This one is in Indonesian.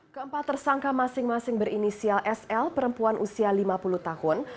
keempat tersangka masing masing berinisial sl perempuan usia lima puluh tahun